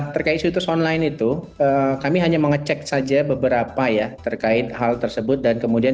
terkait situs online itu kami hanya mengecek saja beberapa ya terkait hal tersebut dan kemudian